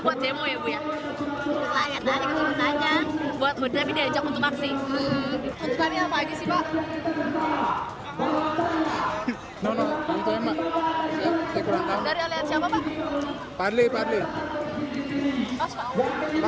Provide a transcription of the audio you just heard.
buat mudah ini aja untuk maksih